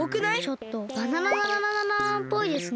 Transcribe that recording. ちょっとバナナナナナナナーンっぽいですね。